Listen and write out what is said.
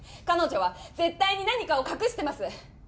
彼女は絶対に何かを隠してます